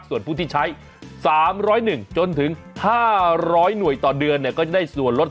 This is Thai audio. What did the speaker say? ส่วนผู้ที่ใช้๓๐๑จนถึง๕๐๐หน่วยต่อเดือนก็จะได้ส่วนลด